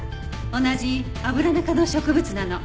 同じアブラナ科の植物なの。